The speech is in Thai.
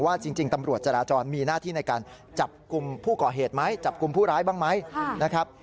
จริงตำรวจจราจรมีหน้าที่ในการจับกลุ่มผู้ก่อเหตุไหมจับกลุ่มผู้ร้ายบ้างไหมนะครับ